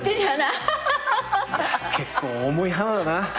結構重い花だな。